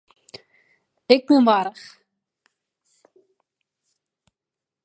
Ik bin warch.